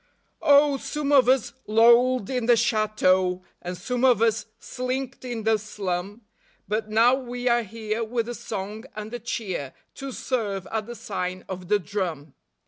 Oh, some of us lolled in the chateau, And some of us slinked in the slum; But now we are here with a song and a cheer To serve at the sign of the drum.